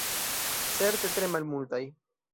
Certe tre malmultaj.